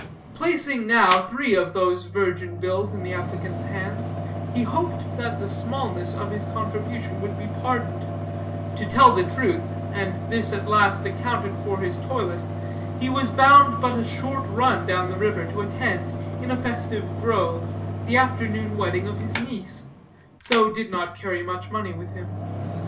Placing now three of those virgin bills in the applicant's hands, he hoped that the smallness of the contribution would be pardoned; to tell the truth, and this at last accounted for his toilet, he was bound but a short run down the river, to attend, in a festive grove, the afternoon wedding of his niece: so did not carry much money with him.